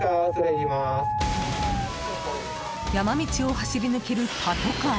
山道を走り抜けるパトカー。